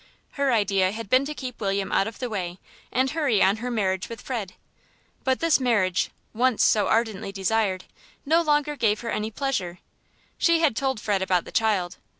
Her idea had been to keep William out of the way and hurry on her marriage with Fred. But this marriage, once so ardently desired, no longer gave her any pleasure. She had told Fred about the child.